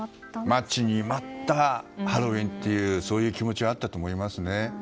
待ちに待ったハロウィーンという気持ちはあったと思いますね。